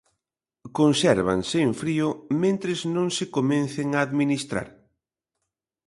Consérvanse en frío mentres non se comecen a administrar.